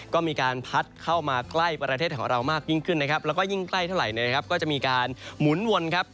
ก็มีการพัดเข้ามาใกล้ประเทศของเรามากยิ่งขึ้นนะครับแล้วก็ยิ่งใกล้เท่าไหร่นะครับก็จะมีการหมุนวนครับ